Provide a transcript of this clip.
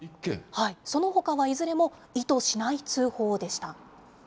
そのほかはいずれも意図しない通報でした。